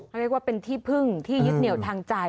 เขาเรียกว่าเป็นที่พึ่งที่ยึดเหนียวทางใจ